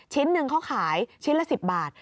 ชิ้นหนึ่งเขาขายชิ้นละ๑๐บาท